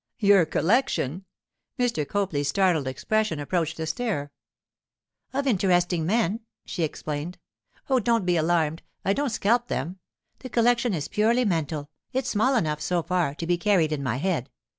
'Your collection?' Mr. Copley's startled expression approached a stare. 'Of interesting men,' she explained. 'Oh, don't be alarmed; I don't scalp them. The collection is purely mental—it's small enough, so far, to be carried in my head.